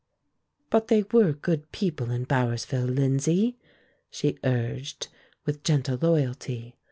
"But they were good people in Bowersville, Lindsay," she urged, with gentle loyalty.